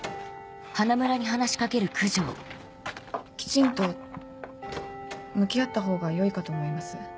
きちんと向き合った方がよいかと思います。